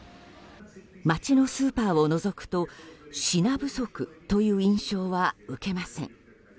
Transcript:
街のスーパーをのぞくと品不足という印象は受けません。